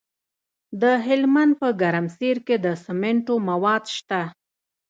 د هلمند په ګرمسیر کې د سمنټو مواد شته.